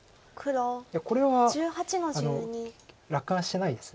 いやこれは楽観してないです。